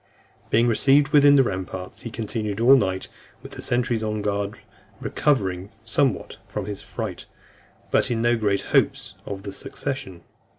Being received within the ramparts , he continued all night with the sentries on guard, recovered somewhat from his fright, but in no great hopes of the succession.